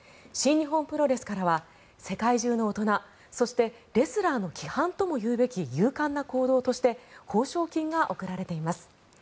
新日本プロレスからは世界中の大人そしてレスラーの規範ともいうべき勇敢な行動として報奨金が贈られています。